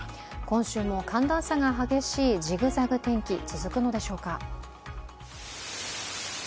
今週も寒暖差が激しいジグザグ天気、続くのでしょうか。